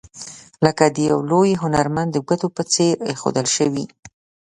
لکه د یو لوی هنرمند د ګوتو په څیر ایښودل شوي.